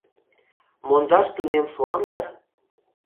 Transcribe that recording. Мондаш тунем шуам дыр: